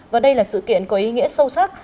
và đây là sự kiện có ý nghĩa sâu sắc